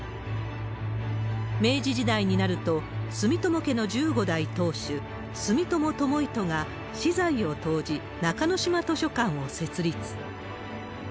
明治時代になると、住友家の１５代当主、住友友純が私財を投じ、中之島図書館を設立。